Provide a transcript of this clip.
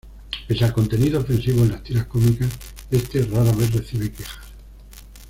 Pese al contenido ofensivo en las tiras cómicas, este rara vez recibe quejas.